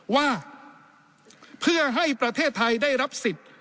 ว่าเพื่อให้ประเทศไทยได้รับสิทธิ์